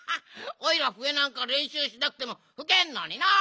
おいらはふえなんかれんしゅうしなくてもふけんのにな。